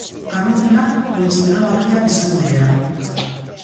Arruntenak kolesterol harriak izango dira.